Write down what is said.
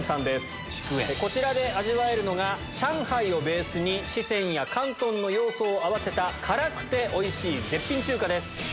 こちらで味わえるのが上海をベースに四川や広東の要素を合わせた辛くておいしい絶品中華です。